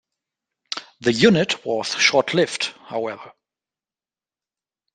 The unit was short-lived, however.